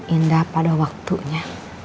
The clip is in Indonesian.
indah pada waktunya